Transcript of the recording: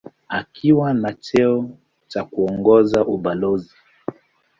Akiwa na cheo cha kuongoza ubalozi.